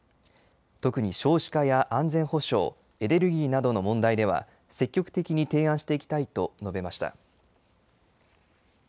特に少子化や安全保障、エネルギーなどの問題では積極的に提案していきたいと述べました。